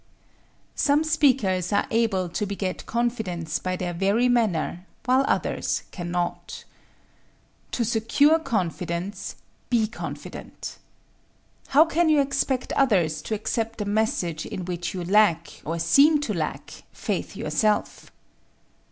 Some speakers are able to beget confidence by their very manner, while others can not. To secure confidence, be confident. How can you expect others to accept a message in which you lack, or seem to lack, faith yourself?